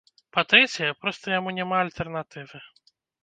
Па-трэцяе, проста яму няма альтэрнатывы.